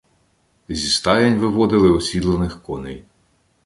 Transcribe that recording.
Зі стаєнь виводили осідланих коней.